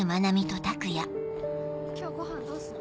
今日ごはんどうする？